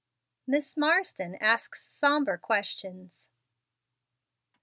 MISS MARSDEN ASKS SOMBRE QUESTIONS.